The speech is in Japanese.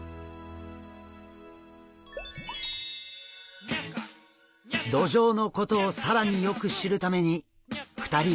ドジョウのことを更によく知るために２人は次の場所へ。